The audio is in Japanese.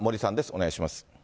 お願いします。